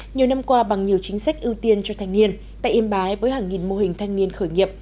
nhiều năm qua bằng nhiều chính sách ưu tiên cho thanh niên tại yên bái với hàng nghìn mô hình thanh niên khởi nghiệp